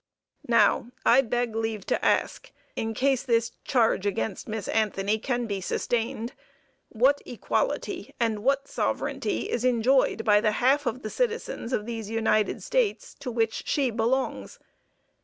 Now I beg leave to ask, in case this charge against Miss Anthony can be sustained, what equality and what sovereignty is enjoyed by the half of the citizens of these United States to which she belongs?